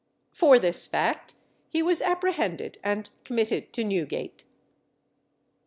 For this fact he was apprehended and committed to Newgate.